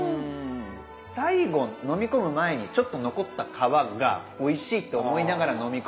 最後飲み込む前にちょっと残った皮がおいしいって思いながら飲み込むの違いますね。